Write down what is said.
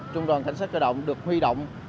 trung đoàn cảnh sát cơ động được huy động